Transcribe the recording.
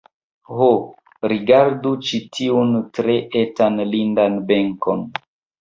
Ho, rigardu ĉi tiun tre etan lindan benkon!